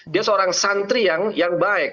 dia seorang santri yang baik